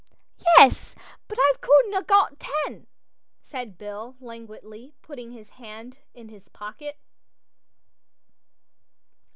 "Yes. But I could 'a' got ten," said Jim, languidly, putting his hand in his pocket.